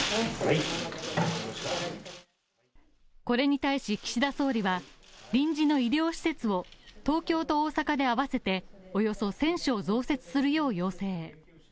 これに対し、岸田総理は臨時の医療施設を東京と大阪で合わせておよそ１０００床増設するよう要請。